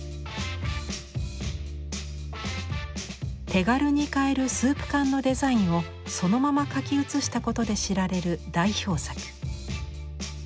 手軽に買えるスープ缶のデザインをそのまま描き写したことで知られる代表作。